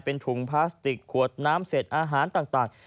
เป็นถุงพลาสติกขวดน้ำเสร็จอาหารต่าง